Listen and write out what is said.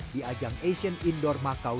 di ajang asian indoor macau dua ribu tujuh